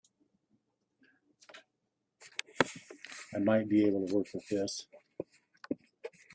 I might be able to work with this.